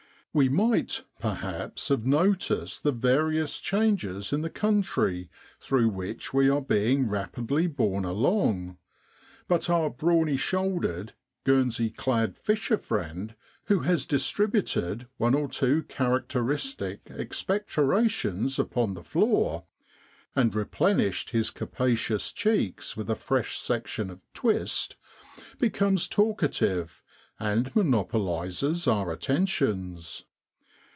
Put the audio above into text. We might, perhaps, have noticed the various changes in the country through which we are being rapidly borne along, but our brawny shouldered, guernsey clad fisher friend, who has distributed one or two characteristic expecto rations upon the floor, and replenished his capacious cheeks with a fresh section of * twist,' becomes talkative, and monopolises our attentions.